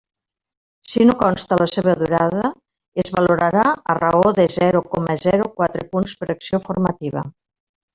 Si no consta la seva durada, es valorarà a raó de zero coma zero quatre punts per acció formativa.